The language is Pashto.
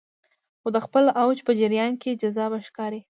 خو د خپل اوج په جریان کې جذابه ښکاري